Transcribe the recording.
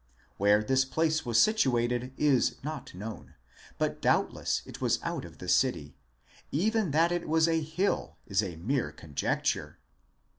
Where this place was situated is not known, but doubtless it was out of the city ; even that it was a hill, is a mere conjecture.